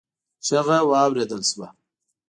چيغه واورېدل شوه.